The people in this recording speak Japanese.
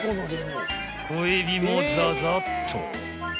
［小エビもザザッと］